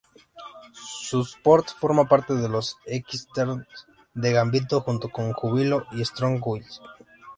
Sunspot forma parte de los X-ternals de Gambito, junto con Júbilo y Strong Guy.